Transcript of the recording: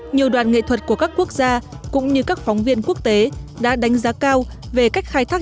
nhiều đoàn nghệ thuật của các quốc gia cũng như các phóng viên quốc tế đã đánh giá cao về cách khai thác